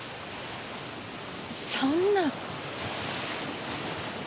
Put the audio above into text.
そんな。